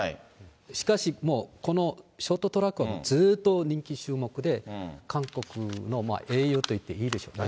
しかし、もうこのショートトラックはずっと人気種目で、韓国の英雄と言っていいでしょうね。